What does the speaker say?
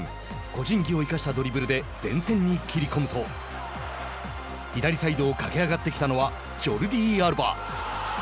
個人技を生かしたドリブルで前線に切り込むと左サイドを駆け上がってきたのはジョルディ・アルバ。